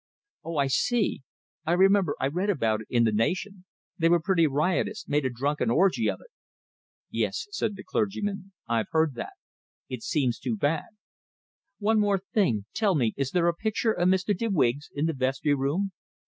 "Oh, I see! I remember I read about it in the 'Nation.' They were pretty riotous made a drunken orgy of it." "Yes," said the clergyman. "I've heard that. It seems too bad." "One thing more. Tell me, is there a picture of Mr. de Wiggs in the vestry room?"